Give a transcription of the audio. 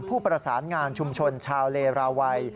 ผู้ประสานงานชุมชนชาวเลราวัย